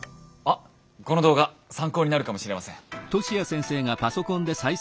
この動画参考になるかもしれません。